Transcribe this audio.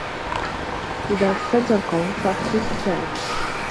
إذَا أَحْسَنْت الْقَوْلَ فَأَحْسِنْ الْفِعْلَ